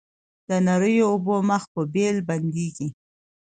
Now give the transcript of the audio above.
د نریو اوبو مخ په بېل بندیږي